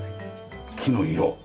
木の色。